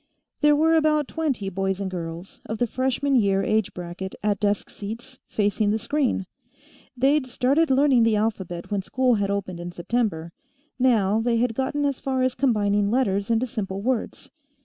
There were about twenty boys and girls, of the freshman year age bracket at desk seats, facing the screen. They'd started learning the alphabet when school had opened in September; now they had gotten as far as combining letters into simple words.